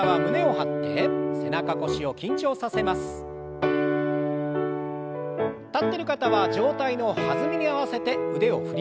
立ってる方は上体の弾みに合わせて腕を振りましょう。